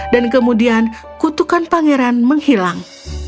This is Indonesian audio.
dan kemudian kutukan pangeran menghilang